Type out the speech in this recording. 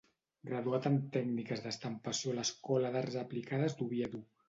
Graduat en Tècniques d'Estampació a l'Escola d'Arts Aplicades d'Oviedo.